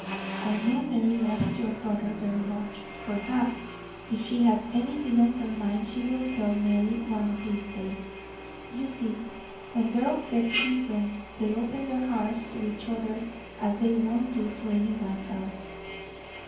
I know Mary likes your daughter very much; perhaps, if she has anything on her mind, she will tell Mary one of these days. You see, when girls get to be friends, they open their hearts to each other as they won't do to any one else."